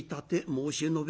申し述べ